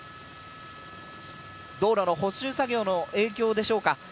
道路の補修作業の影響でしょうか。